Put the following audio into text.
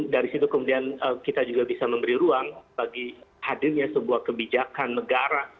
dari situ kemudian kita juga bisa memberi ruang bagi hadirnya sebuah kebijakan negara